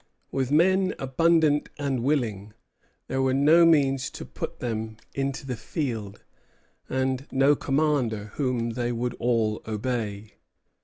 With men abundant and willing, there were no means to put them into the field, and no commander whom they would all obey.